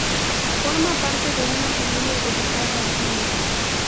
Forma parte de una familia dedicada al cine.